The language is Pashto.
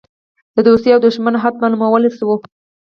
د دوستی او دوښمنی حد معلومولی شوای.